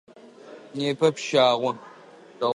Непэ пщагъо.